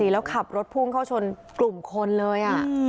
แล้วขับรถพุ่งเข้าชนกลุ่มคนเลย